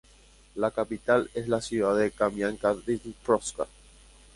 La capital es la ciudad de Kamianka-Dniprovska.